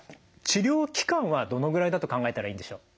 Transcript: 治療期間はどのぐらいだと考えたらいいんでしょう？